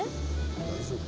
大丈夫？